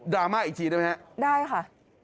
ดราม่าอีกทีได้ไหมครับได้ค่ะ